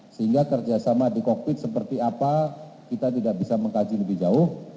sehingga kerjasama di kokpit seperti apa kita tidak bisa mengkaji lebih jauh